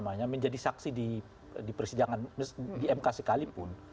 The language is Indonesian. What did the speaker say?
menjadi saksi di persidangan di mk sekalipun